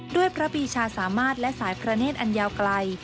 ด้วยพระปีชาสามารถและสายพระเนธอันยาวไกล